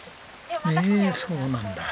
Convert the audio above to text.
へえそうなんだ。